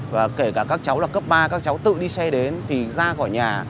và kể cả các cháu là cấp ba các cháu tự đi xe đến thì ra khỏi nhà